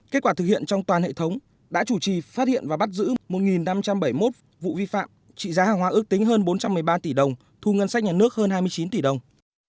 kết quả thực hiện trong toàn hệ thống đã chủ trì phát hiện và bắt giữ một năm trăm bảy mươi một vụ vi phạm trị giá hàng hóa ước tính hơn bốn trăm một mươi ba tỷ đồng thu ngân sách nhà nước hơn hai mươi chín tỷ đồng